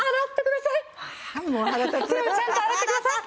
手をちゃんと洗ってください。